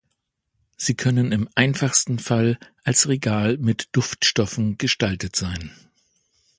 Sie können im einfachsten Fall als Regal mit Duftstoffen gestaltet sein.